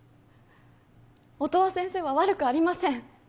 音羽先生は悪くありません